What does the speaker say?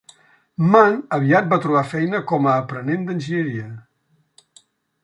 Mann aviat va trobar feina com a aprenent d'enginyeria.